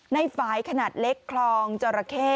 ในฝ่ายขนาดเล็กคลองจราเข้